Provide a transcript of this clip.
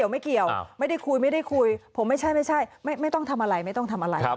โอ้๑๙๗๔ไม่เกี่ยวไม่ได้คุยเขาว่าไม่ใช่ไม่ต้องทำอะไร